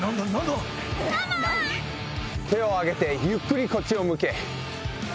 手を上げてゆっくりこっちを向け。